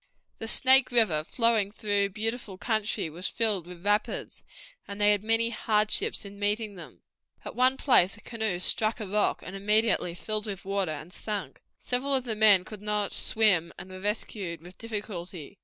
The Snake River, flowing through beautiful country, was filled with rapids, and they had many hardships in passing them. At one place a canoe struck a rock, and immediately filled with water and sank. Several of the men could not swim, and were rescued with difficulty.